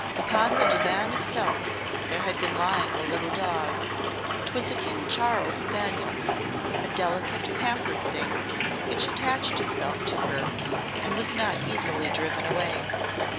Upon the divan itself there had been lying a little dog; 'twas a King Charles' spaniel, a delicate pampered thing, which attached itself to her, and was not easily driven away.